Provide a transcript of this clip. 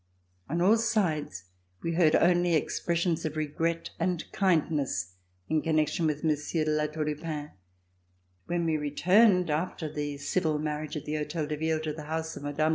On all sides were heard only expressions of regret and kindness in connection with Monsieur de La Tour du Pin. When we returned, after the civil marriage at the Hotel de Ville, to the house of Mme.